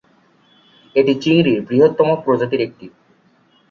এটি চিংড়ির বৃহত্তম প্রজাতির একটি।